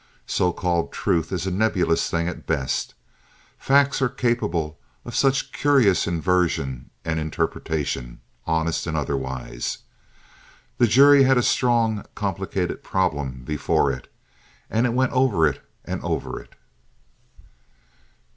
So called truth is a nebulous thing at best; facts are capable of such curious inversion and interpretation, honest and otherwise. The jury had a strongly complicated problem before it, and it went over it and over it.